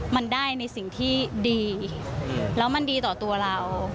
มันได้ในสิ่งที่ดีแล้วมันดีต่อตัวเรา